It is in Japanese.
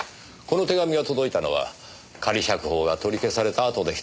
この手紙が届いたのは仮釈放が取り消されたあとでしたねぇ。